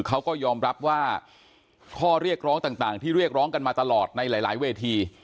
เขาก็ยอมรับว่าข้อเรียกร้องต่างที่เรียกร้องกันมาตลอดในหลายเวที